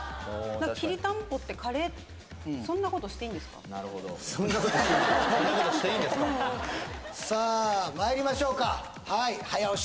何かきりたんぽってカレー「そんなことしていい」さあまいりましょうかはい早押し